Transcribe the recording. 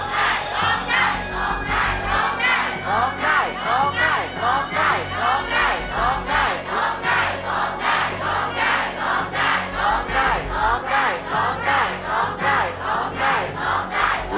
โทษให้โทษให้โทษให้โทษให้โทษให้